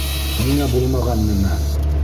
Ниңә булмаған нәмә?